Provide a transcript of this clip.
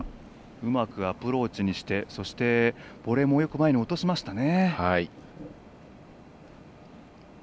うまくアプローチにしてそして、ボレーもよく前に落としましたね。